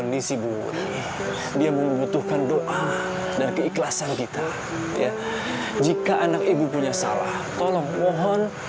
nisibu dia membutuhkan doa dan keikhlasan kita ya jika anak ibu punya salah tolong mohon